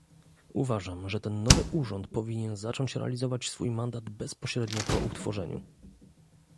Uważam, że ten nowy urząd powinien zacząć realizować swój mandat bezpośrednio po utworzeniu